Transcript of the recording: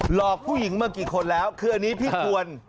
หลอกผู้หญิงมากี่คนแล้วคืออันนี้พี่ควร